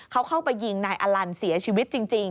เขาเข้าไปยิงนายอลันเสียชีวิตจริง